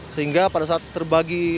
sehingga pada saat terbagi